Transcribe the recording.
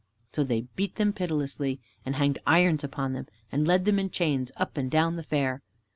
So they beat them pitilessly, and hanged irons upon them, and led them in chains up and down the fair.